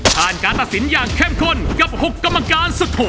ทานการตัดสินอย่างเข้มข้นกับหกกำลังการสุดทุ่ง